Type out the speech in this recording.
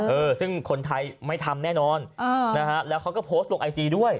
เออซึ่งคนไทยไม่ทำแน่นอนอ่านะฮะแล้วเขาก็โพสต์ลงไอจีด้วย